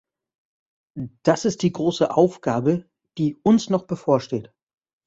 Das ist die große Aufgabe, die uns noch bevorsteht.